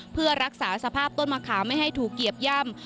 เพื่อรักษาสภาพต้นมะขามไม่ให้ถูกเหยียบย่ำ